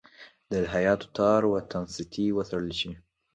د الهیاتو تار و تنستې وڅېړل شي.